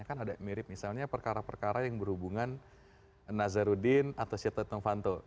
kan ada mirip misalnya perkara perkara yang berhubungan nazarudin atau syed novanto